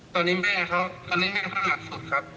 ตอนนี้แม่เขาตอนนี้แม่เขาหนักสุดครับ